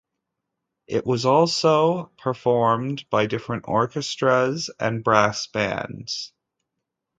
It was also performed by different orchestras and brass bands.